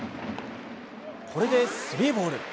これでスリーボール。